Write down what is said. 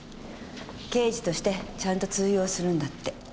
刑事としてちゃんと通用するんだって。